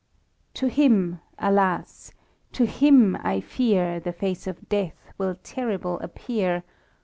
" To him ! alas ! to him, I fear, The face of death will terrible appear.